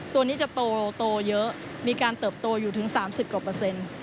ตัวนี้จะโตเยอะมีการเติบโตอยู่ถึง๓๐กว่าเปอร์เซ็นต์